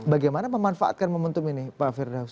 bagaimana memanfaatkan momentum ini pak firdaus